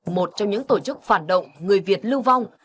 một trong những tổ chức phản động người việt lưu vong